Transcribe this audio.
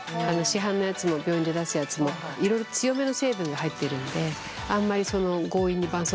市販のやつも病院で出すやつもいろいろ強めの成分が入っているのであんまり強引にばん